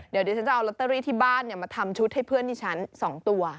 เดี๋ยวดิฉันจะเอาลอตเตอรี่ที่บ้านมาทำชุดให้เพื่อนที่ฉัน๒ตัว